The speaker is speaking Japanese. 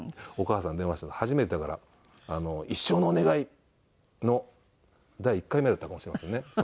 お母さんに電話したの初めてだから「一生のお願い」の第１回目だったかもしれませんね。